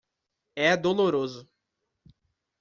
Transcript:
É doloroso.